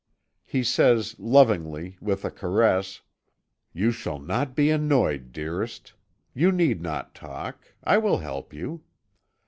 He says, lovingly, with a caress: "You shall not be annoyed, dearest. You need not talk. I will help you."